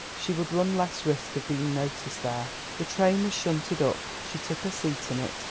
She would run less risk of being noticed there. The train was shunted up; she took her seat in it.